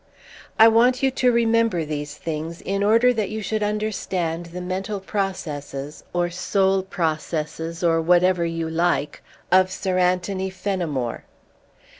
I want you to remember these things in order that you should understand the mental processes, or soul processes, or whatever you like, of Sir Anthony Fenimore.